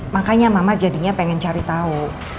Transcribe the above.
makanya mama jadinya pengen cari tahu